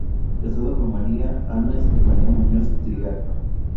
Casado con María Ana Estefanía Muñoz Triaca.